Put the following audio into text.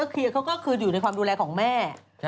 เค้าก็คืออยู่ในความดูแลของแม่